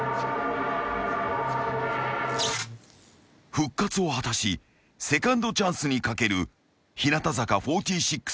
［復活を果たしセカンドチャンスに懸ける日向坂４６河田陽菜］